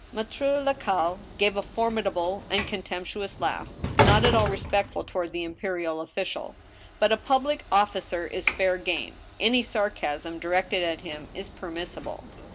Maftre Lacaille gave a formidable and contemptuous laugh, not at all respectful toward the imperial official. But a public officer is fair game ; any sarcasm directed at him is permissible.